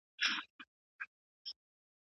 زما ځالۍ چي یې لمبه کړه د باغوان کیسه کومه